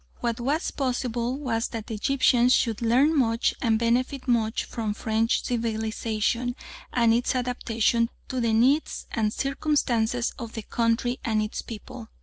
What was possible was that the Egyptians should learn much and benefit much from French civilisation and its adaptation to the needs and circumstances of the country and its people.